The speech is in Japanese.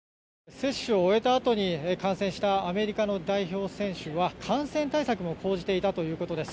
接種を終えたあとに感染したアメリカの代表選手は感染対策も講じていたということです。